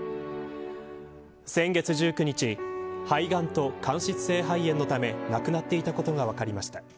先月１９日肺がんと間質性肺炎のため亡くなっていたことが分かりました。